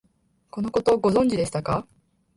このこと、ご存知でしたか？